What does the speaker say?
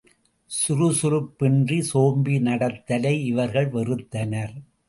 சுறுசுறுப்பின்றிச் சோம்பி நடத்தலை இவர்கள் வெறுத்தனர்.